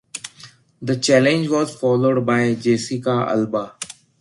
The challenge was followed by Jessica Alba.